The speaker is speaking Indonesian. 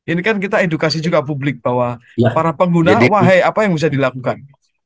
ini kan kita edukasi juga publik bahwa para pengguna wahai apa yang bisa dilakukan